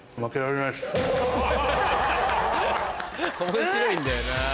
面白いんだよな。